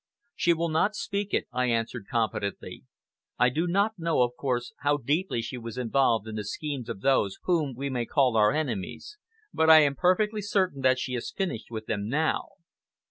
"She will not speak it," I answered confidently. "I do not know, of course, how deeply she was involved in the schemes of those whom we may call our enemies, but I am perfectly certain that she has finished with them now."